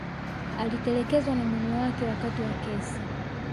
alitelekezwa na mume wake wakati wa kesi